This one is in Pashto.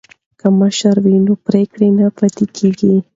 که مشر وي نو پریکړه نه پاتې کیږي.